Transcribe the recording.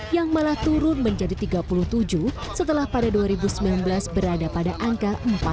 yang malah turun menjadi tiga puluh tujuh setelah pada dua ribu sembilan belas berada pada angka empat puluh